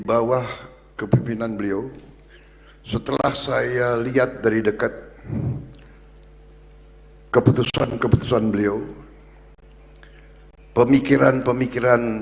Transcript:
bawah kepimpinan beliau setelah saya lihat dari dekat keputusan keputusan beliau pemikiran pemikiran